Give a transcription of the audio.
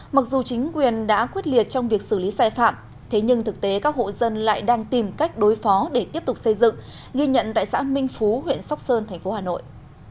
mặc dù chính quyền đã quyết liệt trong việc xử lý sai phạm thế nhưng thực tế các hộ dân lại đang tìm cách đối phó để tiếp tục xây dựng ghi nhận tại xã minh phú huyện sóc sơn thành phố hà nội